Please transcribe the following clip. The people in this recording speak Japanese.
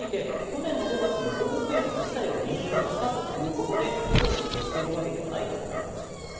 これについて、去年の５月にホームページ自体をリニューアルしたということで故意に消しているわけではないとコメントしています。